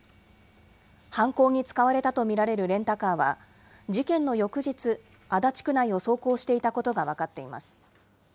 犯行に使われたと見られるレンタカーは、事件の翌日、足立区内を走行していたことが分かっています。